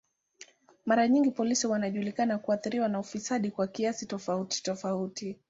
Mara nyingi polisi wanajulikana kuathiriwa na ufisadi kwa kiasi tofauti tofauti.